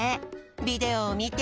ビデオをみて。